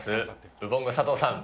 ウボンゴ佐藤さん。